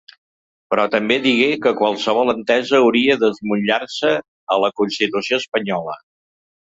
Però també digué que qualsevol entesa hauria d’emmotllar-se a la constitució espanyola.